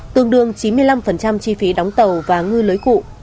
tương đương chín mươi năm chi phí đóng tàu và ngư lưới cụ